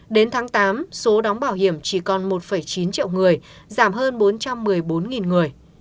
đến tháng tám số đóng bảo hiểm chỉ còn một chín triệu người giảm hơn bốn trăm một mươi bốn người